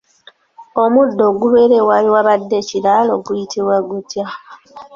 Omuddo ogumera awaali wabaddeko ekiraalo guyitibwa gutya ?